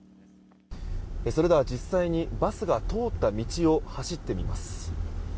それでは実際にバスが通った道を走ってみます。